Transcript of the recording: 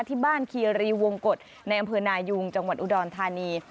ที่บ้านคีรีวงกฎในอำเภอนายุงจังหวัดอุดรธานี